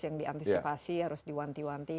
yang diantisipasi harus diwanti wanti